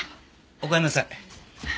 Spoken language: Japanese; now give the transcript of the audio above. おかえりなさい。